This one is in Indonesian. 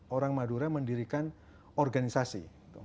orang madura mendirikan organisasi